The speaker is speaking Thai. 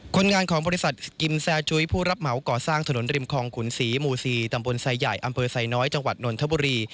คนงานของบริษัทกิมแซจุ้ยผู้รับเหมาก่อสร้างถนนริมคลองขุนศรีหมู่๔ตำบลไซใหญ่อำเภอไซน้อยจังหวัดนนทบุรี